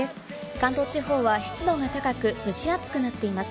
関東地方は湿度が高く蒸し暑くなっています。